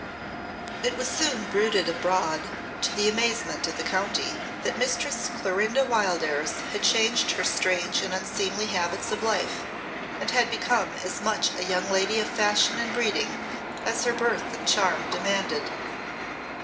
It was soon bruited abroad, to the amazement of the county, that Mistress Clorinda Wildairs had changed her strange and unseemly habits of life, and had become as much a young lady of fashion and breeding as her birth and charm demanded.